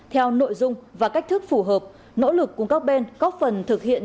theo nội dung và cách thức phù hợp nỗ lực của các bên góp phần thực hiện